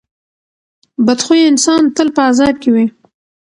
بد خویه انسان تل په عذاب کې وي.